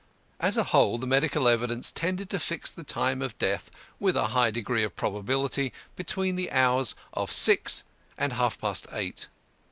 As a whole the medical evidence tended to fix the time of death, with a high degree of probability, between the hours of six and half past eight.